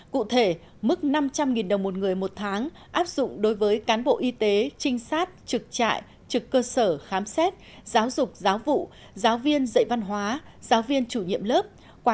cụ thể mức năm trăm linh đồng một người một tháng áp dụng đối với cán bộ y tế trinh sát trực trại trực cơ sở khám xét giáo dục giáo vụ giáo viên dạy văn hóa giáo viên chủ nhiệm lớp